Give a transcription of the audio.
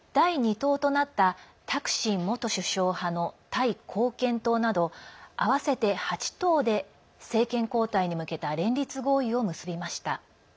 党となったタクシン元首相派のタイ貢献党など合わせて８党で政権交代に向けた連立合意を結びました。